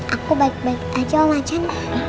aku baik baik aja om macan